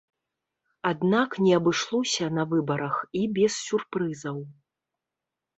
Аднак не абышлося на выбарах і без сюрпрызаў.